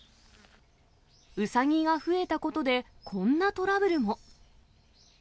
ウサギが増えたことで、こんなトラブルも。